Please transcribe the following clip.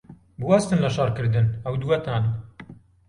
بوەستن لە شەڕکردن، ئەو دووەتان!